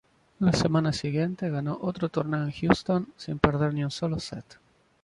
La semana siguiente, ganó otro torneo en Houston sin perder ni un sólo set.